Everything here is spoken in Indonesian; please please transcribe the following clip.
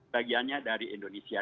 bagiannya dari indonesia